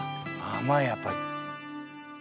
甘いやっぱり。